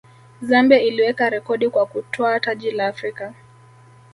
zambia iliweka rekodi kwa kutwaa taji la afrika